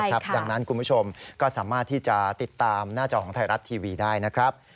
ดังนั้นคุณผู้ชมก็สามารถที่จะติดตามหน้าจอของไทยรัฐทีวีได้นะครับ